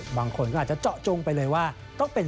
บางคนก็อาจจะเจาะจงไปเลยว่าต้องเป็น